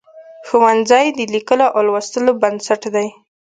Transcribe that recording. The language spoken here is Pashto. ښوونځی د لیکلو او لوستلو بنسټ دی.